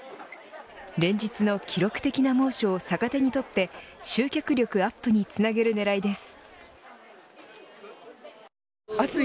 連日の記録的な猛暑を逆手にとって集客力アップにつなげる狙いです。